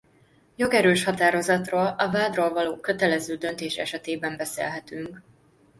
Jogerős határozatról a vádról való kötelező döntés esetében beszélhetünk.